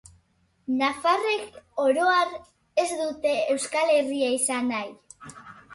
Nafarrek, oro har, ez dute Euskal Herria izan nahi.